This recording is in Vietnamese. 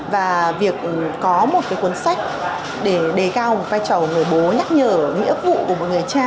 và việc có một cái cuốn sách để đề cao một vai trò người bố nhắc nhở nghĩa vụ của một người cha